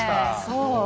そう。